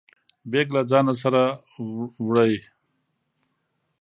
بیګ له ځانه سره وړئ؟